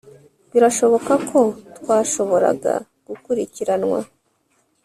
Birashoboka ko twashoboraga gukurikiranwa